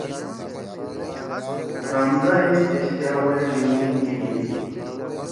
حورامزا ایس پیشتے اول ڙھینگی، بھی ہیزی۔